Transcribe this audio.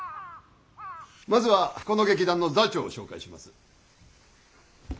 まずはこの劇団の座長を紹介します。